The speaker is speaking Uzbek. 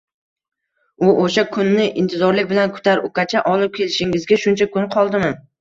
U o`sha kunni intizorlik bilan kutar, Ukacha olib kelishingizga shuncha kun qoldimi